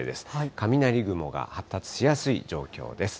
雷雲が発達しやすい状況です。